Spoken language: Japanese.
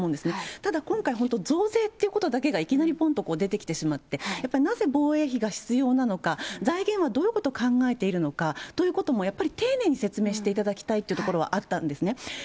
ただ、今回、本当増税ってことだけが、いきなりぽんと出てきてしまって、やっぱりなぜ防衛費が必要なのか、財源はどういうことを考えているのかということもやっぱり、丁寧に説明していただきたいというところはあったんですね。